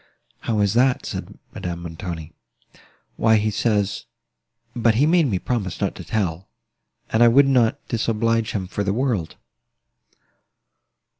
"How is that?" said Madame Montoni. "Why he says—but he made me promise not to tell, and I would not disoblige him for the world."